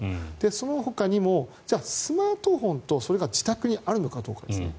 そのほかにも、スマートフォンそれが自宅にあるのかどうかですね。